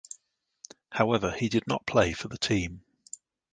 However he did not play for the team.